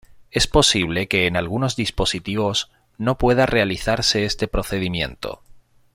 Es posible que en algunos dispositivos no pueda realizarse este procedimiento.